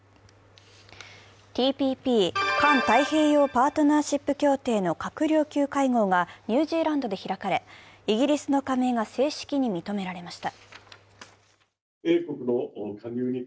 ＴＰＰ＝環太平洋パートナーシップ協定の閣僚級会合がニュージーランドで開かれ、イギリスの加盟が正式に認められました。